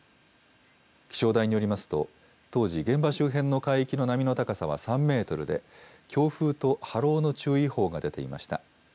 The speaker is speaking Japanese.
気象台によりますと、当時、現場周辺の海域の波の高さは３メートルで、強風と波浪の注意報が出ていました。